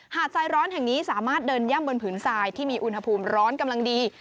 ทรายร้อนแห่งนี้สามารถเดินย่ำบนผืนทรายที่มีอุณหภูมิร้อนกำลังดี